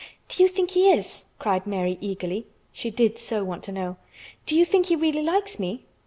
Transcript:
"Do you think he is?" cried Mary eagerly. She did so want to know. "Do you think he really likes me?"